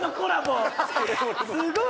・すごい！